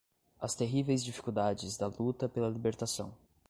as terríveis dificuldades da luta pela libertação